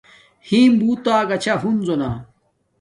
ھیم بوت آگا چھا ہنزو نا